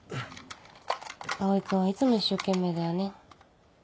蒼君はいつも一生懸命だよね。